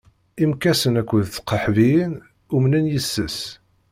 Imekkasen akked tqeḥbiyin umnen yes-s.